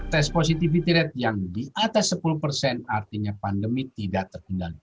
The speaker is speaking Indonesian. tes positivity rate yang di atas sepuluh persen artinya pandemi tidak terkendali